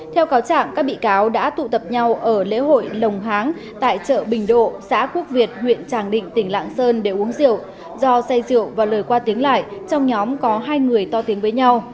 theo cáo trạng các bị cáo đã tụ tập nhau ở lễ hội lồng tại chợ bình độ xã quốc việt huyện tràng định tỉnh lạng sơn để uống rượu do say rượu và lời qua tiếng lại trong nhóm có hai người to tiếng với nhau